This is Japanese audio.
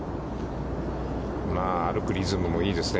歩くリズムもいいですね。